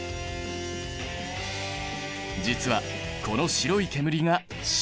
実はこの白い煙が塩。